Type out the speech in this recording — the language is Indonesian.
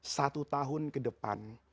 satu tahun ke depan